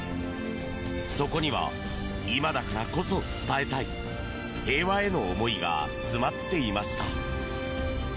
そこには今だからこそ伝えたい平和への思いが詰まっていました。